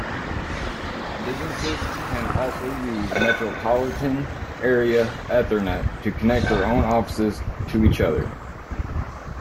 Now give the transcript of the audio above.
Businesses can also use metropolitan-area Ethernet to connect their own offices to each other.